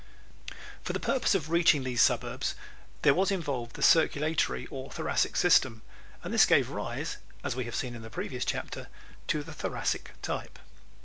For the purpose of reaching these suburbs there was involved the circulatory or Thoracic system, and this gave rise, as we have seen in the previous chapter, to the Thoracic type.